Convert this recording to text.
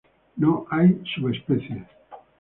No hay subespecies.